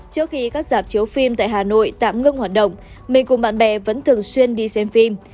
trước khi các dạp chiếu phim tại hà nội tạm ngưng hoạt động mình cùng bạn bè vẫn thường xuyên đi xem phim